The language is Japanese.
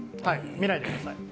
見ないでください。